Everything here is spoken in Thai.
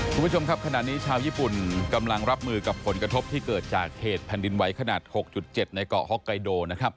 คุณผู้ชมครับขณะนี้ชาวญี่ปุ่นกำลังรับมือกับผลกระทบที่เกิดจากเหตุแผ่นดินไหวขนาด๖๗ในเกาะฮ็อกไกโดนะครับ